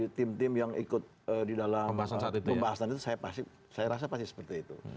karena tim tim yang ikut di dalam pembahasan saat itu saya rasa pasti seperti itu